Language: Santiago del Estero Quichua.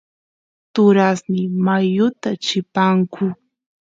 turasniy mayuta chimpanku